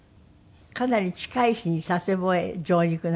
かなり近い日に佐世保へ上陸なさったとか。